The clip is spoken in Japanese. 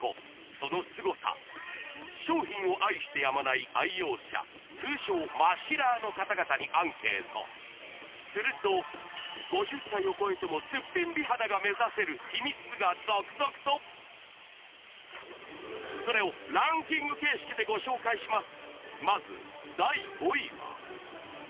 そのすごさ商品を愛してやまない愛用者通称マシラーの方々にアンケートすると５０歳をこえてもすっぴん美肌が目指せる秘密が続々とそれをランキング形式でご紹介します